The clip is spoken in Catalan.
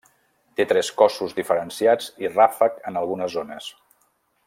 Té tres cossos diferenciats i ràfec en algunes zones.